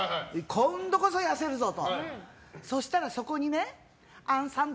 今度こそ痩せるぞ！と。